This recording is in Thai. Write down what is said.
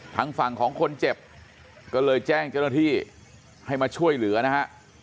ทางฝั่งของคนเจ็บก็เลยแจ้งเจ้าหน้าที่ให้มาช่วยเหลือนะฮะ